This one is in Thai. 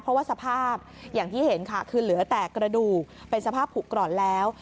เพราะว่าสภาพอย่างที่เห็นค่ะคือเหลือแต่กระดูกเป็นสภาพผูกก่อนแล้ว